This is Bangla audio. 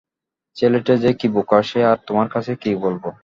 ছেলেটা যে কি বোকা সে আর তোমার কাছে কি বলবো।